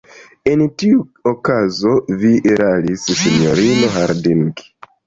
En tiu okazo vi eraris, sinjorino Harding.